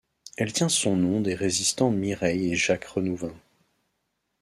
Elle tient son nom des résistants Mireille et Jacques Renouvin.